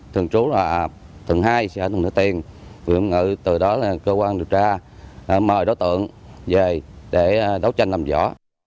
thường trú là thượng hai xã thường thới tiền huyện hồng ngự từ đó là cơ quan điều tra mời đối tượng về để đấu tranh làm rõ